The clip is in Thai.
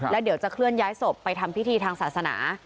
แล้วเดี๋ยวจะเคลื่อนย้ายศพไปทำพิธีทางศาสนา